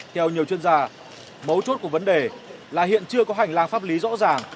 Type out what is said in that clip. theo nhiều chuyên gia mấu chốt của vấn đề là hiện chưa có hành lang pháp lý rõ ràng